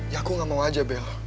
ya aku gak mau aja bel